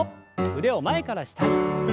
腕を前から下に。